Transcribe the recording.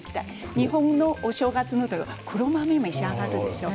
日本のお正月のとき黒豆を召し上がるでしょう？